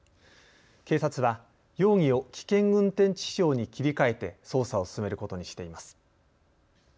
警察は、容疑を危険運転致死傷に切り替えて捜査を進めることにしています。